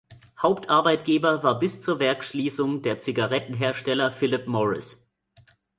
Hauptarbeitgeber war bis zur Werksschließung der Zigarettenhersteller Phillip Morris.